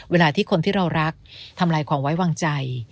เวลาที่คนที่เรารักทำลายความไว้วางใจ